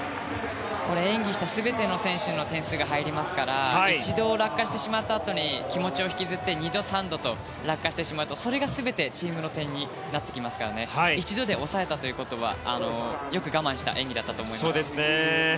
演技した全ての選手の点数が入りますから一度落下してしまったあとに気持ちを引きずって２度、３度と落下してしまうとそれが全てチームの点になってきますから一度で抑えたということはよく我慢した演技だったと思います。